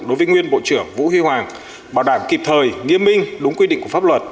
đối với nguyên bộ trưởng vũ huy hoàng bảo đảm kịp thời nghiêm minh đúng quy định của pháp luật